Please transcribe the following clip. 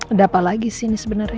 ada apa lagi sih ini sebenarnya